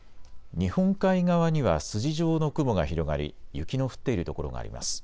日本海側には筋状の雲が広がり雪の降っている所があります。